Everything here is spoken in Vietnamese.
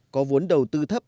có vốn đầu tư thấp